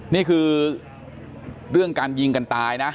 นี่คือเรื่องการยิงกันตายนะ